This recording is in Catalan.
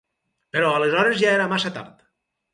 Però aleshores ja era massa tard.